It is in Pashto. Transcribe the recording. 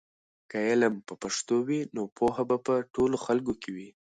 که علم په پښتو وي نو پوهه به په ټولو خلکو کې وي.